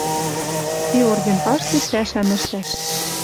Ти орден паштек пӓшӓм ӹштӓш.